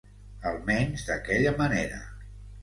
Almenys d'aquella manera.